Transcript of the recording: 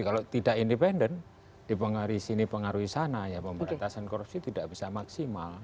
kalau tidak independen dipengaruhi sini pengaruhi sana ya pemberantasan korupsi tidak bisa maksimal